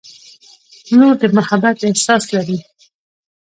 • لور د محبت احساس لري.